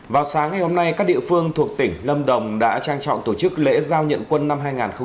vào sáng ngày hôm nay các địa phương thuộc tỉnh lâm đồng đã trang trọng tổ chức lễ giao nhận quân năm hai nghìn hai mươi